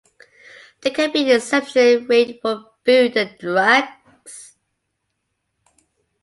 There can be an exception rate for food and drugs.